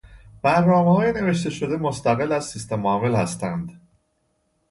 برنامههای نوشتهشده مستقل از سیستمعامل هستند.